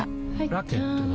ラケットは？